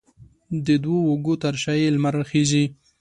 د دوو اوږو تر شا یې لمر راخیژي